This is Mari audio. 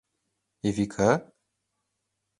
Эвика?